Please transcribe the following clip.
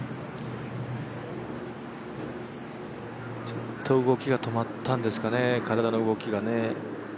ちょっと動きが止まったんですかね、体の動きが。